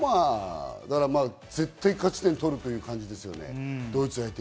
絶対勝ち点取るという感じですよね、ドイツ相手に。